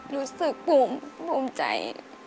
รู้สึกปุ่มใจ